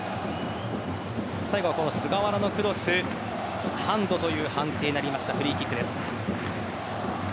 最後はこの菅原のクロスハンドという判定になりましたフリーキックです。